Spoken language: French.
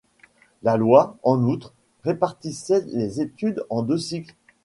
La loi, en outre, répartissait les études en deux cycles.